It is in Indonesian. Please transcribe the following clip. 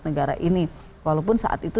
negara ini walaupun saat itu